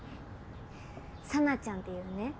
紗菜ちゃんっていうね